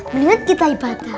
melihat kita ibadah